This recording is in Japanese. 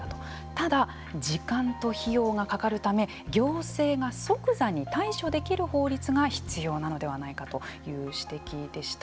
ただ、時間と費用がかかるため行政が即座に対処できる法律が必要なのではないかという指摘でした。